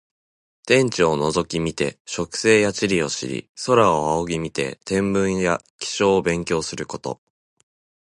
地面を覗き見て植生や地理を知り、空を仰ぎ見て天文や気象を勉強すること。